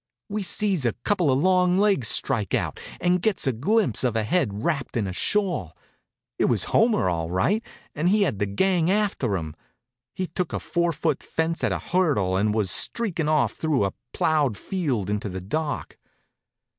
We sees a couple of long legs strike out, and gets a glimpse of a head wrapped up in a shawl. It was Homer, all right, and he had the gang after him. He took a four foot fence at a hurdle and was streakin' off through a plowed field into the dark.